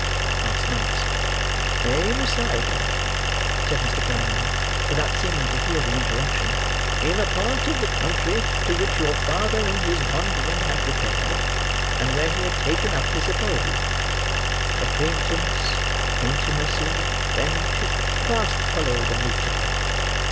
asked Monks. "They resided," said Mr. Brownlow, without seeming to hear the interruption, "in a part of the country to which your father in his wandering had repaired, and where he had taken up his abode. Acquaintance, intimacy, friendship, fast followed on each other.